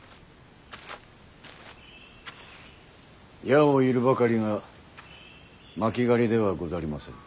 矢を射るばかりが巻狩りではござりませぬ。